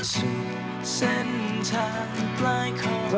สู่เส้นทางปลายของฟ้า